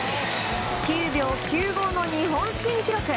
９秒９５の日本新記録。